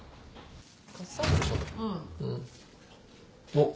おっ。